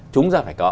chúng ra phải có